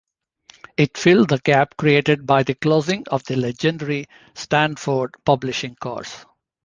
It filled the gap created by the closing of the legendary Stanford Publishing Course.